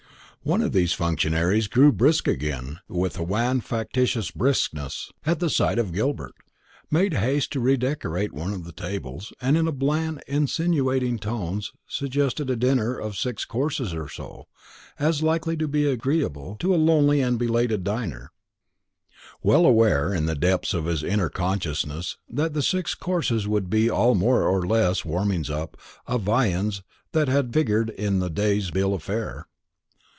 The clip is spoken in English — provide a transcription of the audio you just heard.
One of these functionaries grew brisk again, with a wan factitious briskness, at sight of Gilbert, made haste to redecorate one of the tables, and in bland insinuating tones suggested a dinner of six courses or so, as likely to be agreeable to a lonely and belated diner; well aware in the depths of his inner consciousness that the six courses would be all more or less warmings up of viands that had figured in the day's bill of fare.